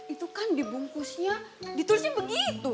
itu kan dibungkusnya ditulisnya begitu